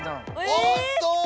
おっと！